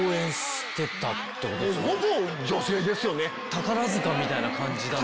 宝塚みたいな感じだなと。